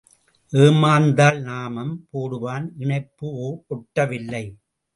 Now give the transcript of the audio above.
ஏமாந்தால் நாமம் போடுவான் இணைப்பு ஒட்டவில்லை.